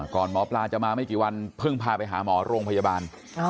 หมอปลาจะมาไม่กี่วันเพิ่งพาไปหาหมอโรงพยาบาล